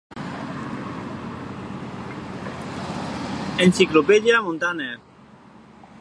Enciclopedia Montaner